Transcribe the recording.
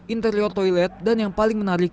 interior toilet dan yang paling menarik